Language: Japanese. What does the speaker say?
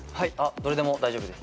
どれでも大丈夫です。